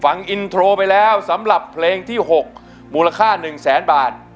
ฟังอินโทรไปแล้วสำหรับเพลงที่๖มูลค่า๑แสนบาท